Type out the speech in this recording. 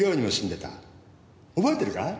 覚えてるか？